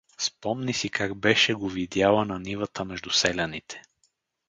Спомни си как беше го видяла на нивата между селяните.